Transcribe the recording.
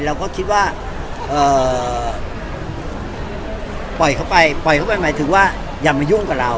เราก็คิดว่าปล่อยเข้าไปปล่อยเข้าไปหมายถึงว่าอย่ามายุ่งกับเรา